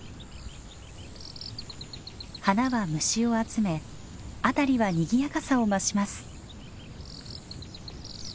花は虫を集め辺りはにぎやかさを増します。